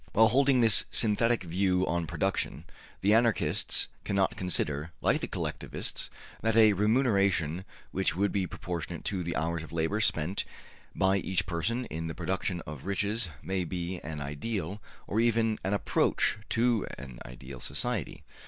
``While holding this synthetic view on production, the Anarchists cannot consider, like the Collectivists, that a remuneration which would be proportionate to the hours of labor spent by each person in the production of riches may be an ideal, or even an approach to an ideal, society.''